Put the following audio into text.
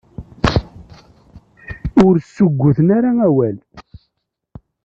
Ur ssugguten ara awal.